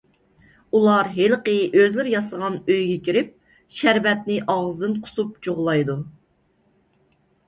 ئۇلار ھېلىقى ئۆزلىرى ياسىغان ئۆيىگە كىرىپ، شەربەتنى ئاغزىدىن قۇسۇپ جۇغلايدۇ.